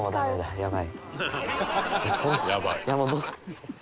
「やばい」